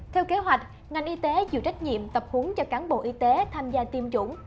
theo kế hoạch ngành y tế chịu trách nhiệm tập hướng cho cán bộ y tế tham gia tiêm chủng